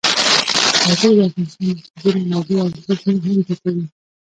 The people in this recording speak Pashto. وګړي د افغانستان د اقتصادي منابعو ارزښت نور هم زیاتوي.